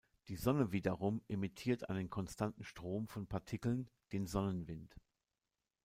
Die Sonne wiederum emittiert einen konstanten Strom von Partikeln, den Sonnenwind.